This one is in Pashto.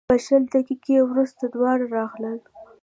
په شل دقیقې وروسته دواړه راغلل.